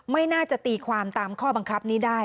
ไม่น่าจะตีความตามข้อบังคับนี้ได้